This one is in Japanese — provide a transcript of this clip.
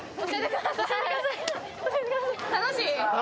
楽しい？